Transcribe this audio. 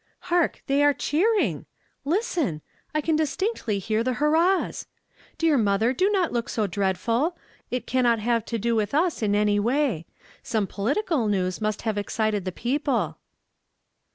Hark ! they are cheering ! Listen ! I can distinctly hear the hurrahs. Dear mother, do not look so dreadful! It cannot have to do with us in any way. Some political news must have excited the people."